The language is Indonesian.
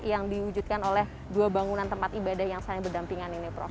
yang diwujudkan oleh dua bangunan tempat ibadah yang saling berdampingan ini prof